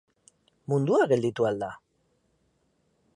Mundua gelditu al da?